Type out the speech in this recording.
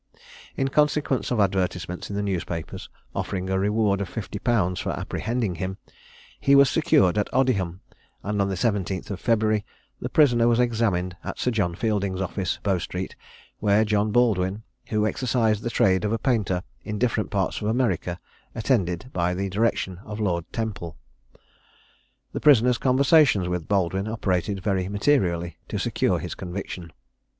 In consequence of advertisements in the newspapers, offering a reward of fifty pounds for apprehending him, he was secured at Odiham, and on the 17th of February the prisoner was examined at Sir John Fielding's office, Bow street, where John Baldwin, who exercised the trade of a painter in different parts of America, attended, by the direction of Lord Temple. The prisoner's conversations with Baldwin operated very materially to secure his conviction.